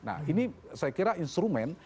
nah ini saya kira instrumen